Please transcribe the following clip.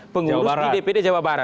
pengurus di dpd jawa barat